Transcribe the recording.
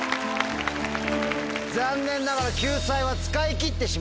残念ながら救済は使い切ってしまいました。